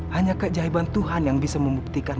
hanya keajaiban tuhan yang bisa membuktikan